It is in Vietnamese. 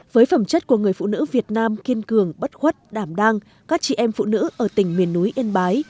với phẩm chất của người phụ nữ việt nam kiên cường bất khuất đảm đang các chị em phụ nữ ở tỉnh miền núi yên bái